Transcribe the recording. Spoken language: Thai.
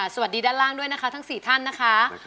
สวัสดีด้านล่างด้วยนะคะทั้ง๔ท่านนะคะ